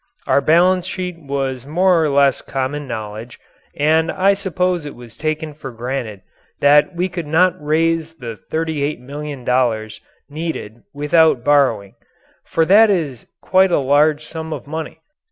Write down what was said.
Our balance sheet was more or less common knowledge and I suppose it was taken for granted that we could not raise the $38,000,000 needed without borrowing. For that is quite a large sum of money.